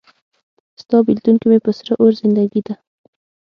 ستا بیلتون کې مې په سره اور زندګي ده